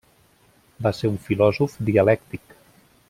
Va ser un filòsof dialèctic.